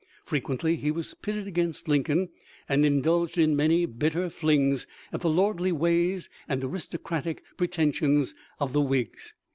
Frequently he was pitted against Lincoln, and indulged in many bitter flings at the lordly ways and aristocratic pretensions of the Whigs.